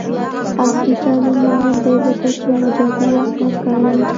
عصري تعلیم مهم دی ځکه چې مجازی واقعیت کاروي.